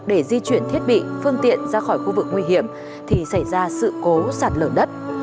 để di chuyển thiết bị phương tiện ra khỏi khu vực nguy hiểm thì xảy ra sự cố sạt lở đất